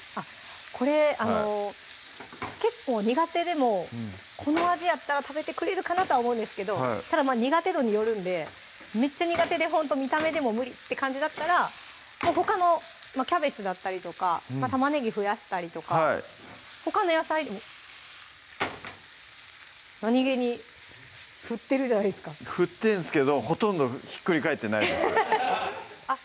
これ結構苦手でもこの味やったら食べてくれるかなとは思うんですけどただまぁ苦手度によるんでめっちゃ苦手でほんと見た目でもう無理って感じだったらほかのキャベツだったりとか玉ねぎ増やしたりとかほかの野菜でもなにげに振ってるじゃないですか振ってんすけどほとんどひっくり返ってないですあっ